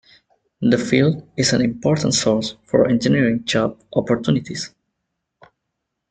The field is an important source for engineering job opportunities.